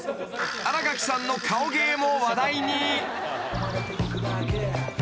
［新垣さんの顔芸も話題に］